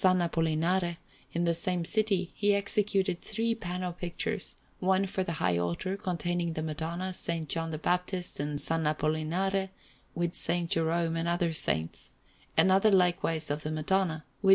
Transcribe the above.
Apollinare, in the same city, he executed three panel pictures; one for the high altar, containing the Madonna, S. John the Baptist, and S. Apollinare, with S. Jerome and other saints; another likewise of the Madonna, with S.